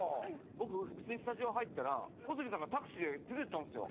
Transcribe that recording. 僕普通にスタジオ入ったら小杉さんがタクシーで出ていったんですよ。